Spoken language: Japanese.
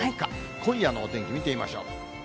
今夜のお天気、見てみましょう。